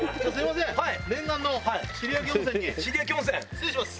失礼します。